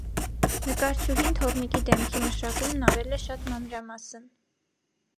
Նկարչուհին թոռնիկի դեմքի մշակումն արել է շատ մանրամասն։